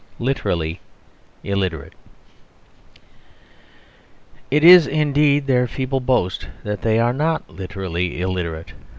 Literally Illiterate It is indeed their feeble boast that they are not literally illiterate.